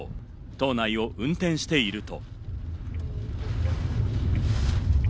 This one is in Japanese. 島内を運転していると。